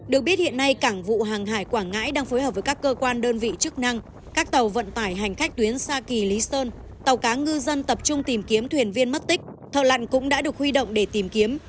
được biết hiện nay cảng vụ hàng hải quảng ngãi đang phối hợp với các cơ quan đơn vị chức năng các tàu vận tải hành khách tuyến xa kỳ lý sơn tàu cá ngư dân tập trung tìm kiếm thuyền viên mất tích thợ lặn cũng đã được huy động để tìm kiếm